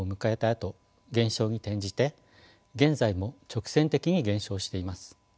あと減少に転じて現在も直線的に減少しています。